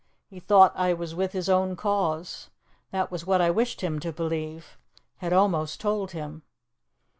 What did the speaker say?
He thought I was with his own cause. That was what I wished him to believe had almost told him."